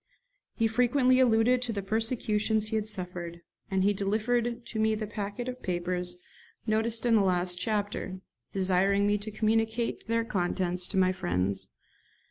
He frequently alluded to the persecutions he had suffered, and he delivered to me the packet of papers noticed in the last chapter, desiring me to communicate their contents to my friends.